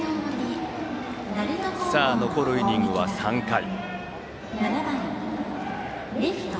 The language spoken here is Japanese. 残るイニングは３回。